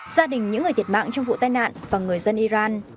gia đình những người thiệt mạng trong vụ tai nạn và người dân iran